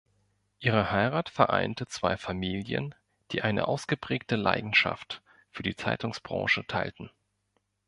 Ihre Heirat vereinte zwei Familien, die eine ausgeprägte Leidenschaft für die Zeitungsbranche teilten.